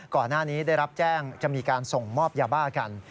ก่อนหน้านี้ได้รับแจ้งจะมีการส่งมอบยาบ้ากัน